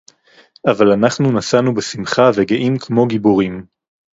אֲבָל אֲנַחְנוּ נָסַעְנוּ בְּשִׂמְחָה וְגֵאִים כְּמוֹ גִּיבּוֹרִים.